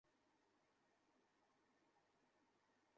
এসব রাস্তা মেরামতের জন্য সংশ্লিষ্ট ব্যক্তিদের কাছে দীর্ঘদিন ধরে বলে আসছি।